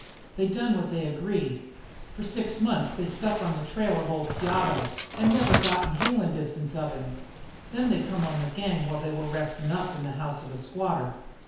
"They done what they agreed. For six months they stuck on the trail of old Piotto and never got in hailin' distance of him. Then they come on the gang while they were restin' up in the house of a squatter.